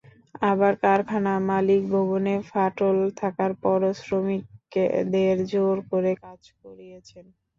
আবার কারখানা মালিক ভবনে ফাটল থাকার পরও শ্রমিকদের জোর করে কাজ করিয়েছেন।